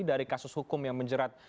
dari kasus hukum yang menjerat